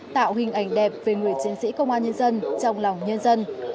tạo hình ảnh đẹp về người chiến sĩ công an nhân dân trong lòng nhân dân